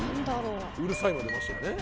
うるさいは出ましたよね